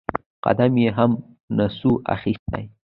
قدم يې هم نسو اخيستى.